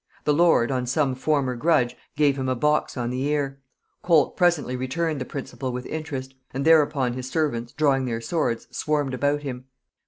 The lord, on some former grudge, gave him a box on the ear: Colt presently returned the principal with interest; and thereupon his servants drawing their swords, swarmed about him.